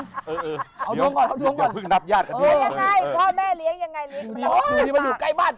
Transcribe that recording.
เดี๋ยวพี่จะพึ่งนับญาติกัน